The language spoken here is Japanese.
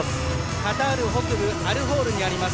カタール北部アルホールにあります